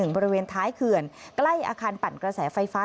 บริเวณท้ายเขื่อนใกล้อาคารปั่นกระแสไฟฟ้า